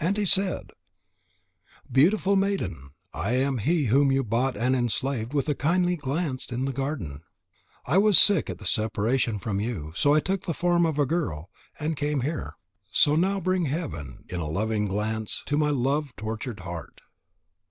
And he said: "Beautiful maiden, I am he whom you bought and enslaved with a kindly glance in the garden. I was sick at the separation from you; so I took the form of a girl, and came here. So now bring heaven in a loving glance to my love tortured heart."